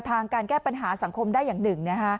ทางการแก้ปัญหาสังคมได้อย่างหนึ่ง